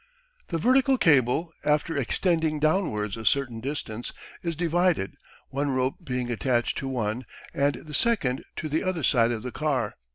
The vertical cable, after extending downwards a certain distance, is divided, one rope being attached to one, and the second to the other side of the car.